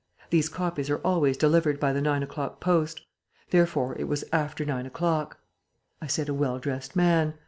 These copies are always delivered by the nine o'clock post. Therefore, it was after nine o'clock. I said, a well dressed man.